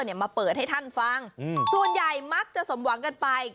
มาเปิดให้ท่านฟังอืมส่วนใหญ่มักจะสมหวังกันไป